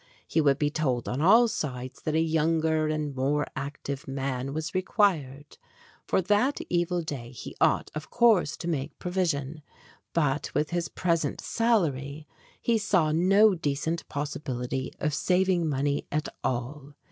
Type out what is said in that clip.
He would be told on all sides that a younger and more active man was required. For that evil day he ought, of course, to make provision, but with his present salary he saw no decent possibility of saving money at all.